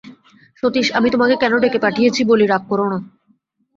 সতীশ, আমি তোমাকে কেন ডেকে পাঠিয়েছি বলি, রাগ কোরো না।